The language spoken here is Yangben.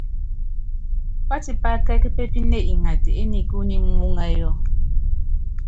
Pátipá kɛ́k pépíne ngata enikú nyi muúŋayɔ.